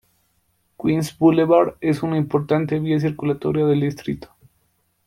Queens Boulevard es una importante vía circulatoria del distrito.